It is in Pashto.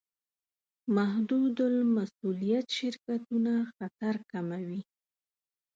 محدودالمسوولیت شرکتونه خطر کموي.